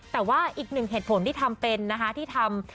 แต่ว่าอีกหนึ่งเหตุผลที่ทำเป็นนะคะที่ทำ